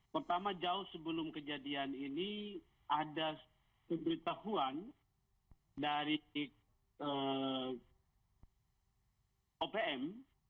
pertama jauh sebelum kejadian ini ada pemberitahuan dari opm